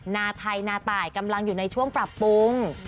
นาไทยนาตายกำลังอยู่ในช่วงปรับปรุง